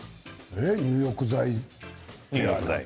入浴剤？